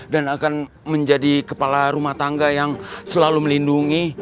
dan akan menjadi kepala rumah tangga yang selalu melindungi